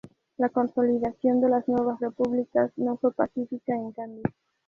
La consolidación de las nuevas repúblicas no fue pacífica en cambio.